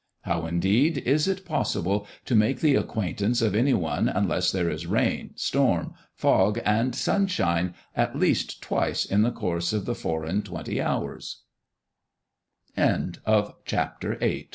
How, indeed, is it possible to make the acquaintance of any one unless there is rain, storm, fog, and sunshine at least twice in the course of the four and twenty hours? CHAP. IX. The City Capitol.